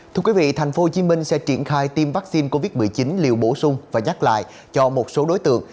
thưa quý vị thành phố hồ chí minh sẽ triển khai tiêm vaccine covid một mươi chín liều bổ sung và nhắc lại cho một số đối tượng